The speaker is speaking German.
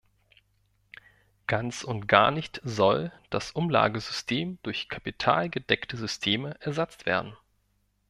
Ganz und gar nicht soll das Umlagesystem durch kapitalgedeckte Systeme ersetzt werden.